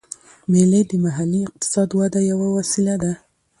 مېلې د محلي اقتصاد وده یوه وسیله ده.